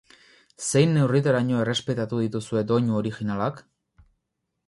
Zein neurritaraino errespetatu dituzue doinu originalak?